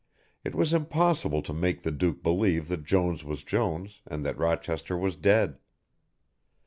It was impossible to make the Duke believe that Jones was Jones and that Rochester was dead.